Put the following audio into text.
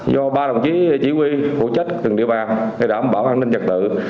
do ba đồng chí chỉ huy phụ trách từng địa bàn để đảm bảo an ninh trật tự